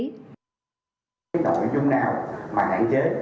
đội dung nào mà hạn chế